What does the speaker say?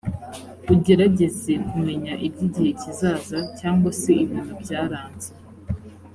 ugerageze kumenya iby igihe kizaza cyangwa se ibintu byaranze